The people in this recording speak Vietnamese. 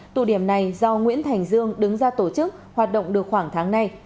tụ điểm này do nguyễn thành dương đứng ra tổ chức hoạt động được khoảng tháng nay